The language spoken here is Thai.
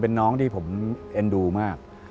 เป็นน้องที่ผมเอ็นดูมาก